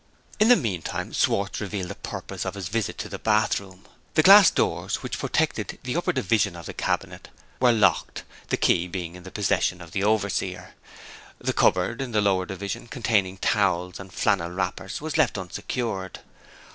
In the meantime, Schwartz revealed the purpose of his visit to the bath room. The glass doors which protected the upper division of the cabinet were locked; the key being in the possession of the overseer. The cupboard in the lower division, containing towels and flannel wrappers, was left unsecured.